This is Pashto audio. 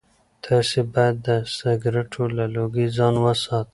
تاسي باید د سګرټو له لوګي ځان وساتئ.